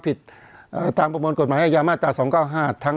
เพราะฉะนั้นประชาธิปไตยเนี่ยคือการยอมรับความเห็นที่แตกต่าง